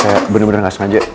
kayak bener bener gak sengaja